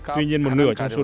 tuy nhiên một nửa trong số đó